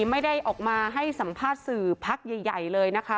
ไม่ได้ออกมาให้สัมภาษณ์สื่อพักใหญ่เลยนะคะ